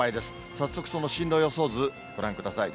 早速、その進路予想図、ご覧ください。